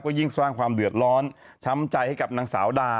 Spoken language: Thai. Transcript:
ก็ยิ่งสร้างความเดือดร้อนช้ำใจให้กับนางสาวดา